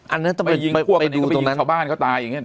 อันนั้นต้องไปดูตรงนั้นไปยิงชาวบ้านเขาตายอย่างนี้